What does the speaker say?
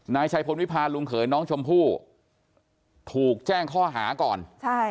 นายชัยพลวิพาลุงเขยน้องชมพู่ถูกแจ้งข้อหาก่อนใช่